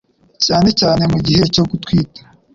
cyane cyane mu gihe cyo gutwita,